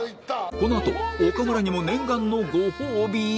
このあと岡村にも念願のご褒美？